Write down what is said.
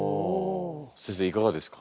先生いかがですか？